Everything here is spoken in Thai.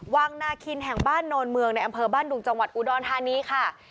วังนาคินแห่งบ้านโนนเมืองในอำเภอบ้านดุงจังหวัดอุดรธานีค่ะ